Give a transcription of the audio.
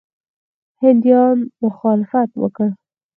هندیانو مخالفت وکړ.